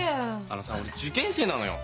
あのさ俺受験生なのよ。